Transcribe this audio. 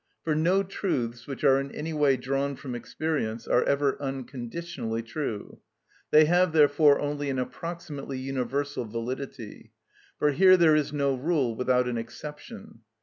For no truths which are in any way drawn from experience are ever unconditionally true. They have therefore only an approximately universal validity; for here there is no rule without an exception.